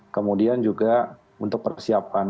kemudian juga untuk persiapan